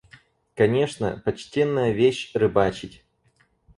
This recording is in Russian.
Конечно, почтенная вещь – рыбачить.